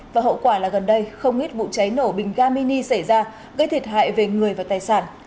và hậu quả là gần đây không ít vụ cháy nổ bình ga mini xảy ra gây thiệt hại về người và tài sản